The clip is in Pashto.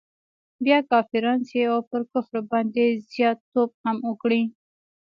بیا کافران سي او پر کفر باندي زیات توب هم وکړي.